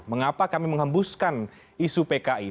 mengapa kami menghembuskan isu pki